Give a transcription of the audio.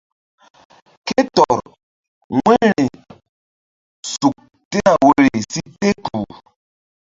Ké tɔr wu̧yri suk tena woyri si te kpuh.